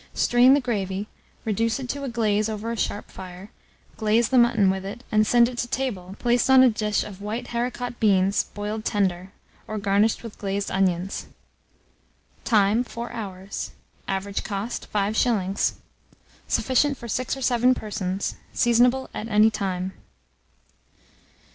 Strain the gravy, reduce it to a glaze over a sharp fire, glaze the mutton with it, and send it to table, placed on a dish of white haricot beans boiled tender, or garnished with glazed onions. Time. 4 hours. Average cost, 5s. Sufficient for 6 or 7 persons. Seasonable at any time.